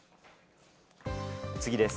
次です。